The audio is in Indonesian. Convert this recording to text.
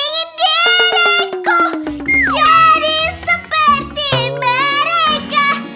ingin diriku cari seperti mereka